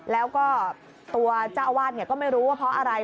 แล้วก็ตัวเจ้าอาวาสก็ไม่รู้ว่าเพราะอะไร